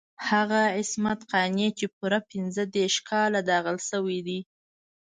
هغه عصمت قانع چې پوره پنځه دېرش کاله داغل شوی دی.